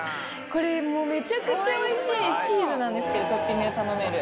これめちゃくちゃおいしいチーズなんですけどトッピングで頼める。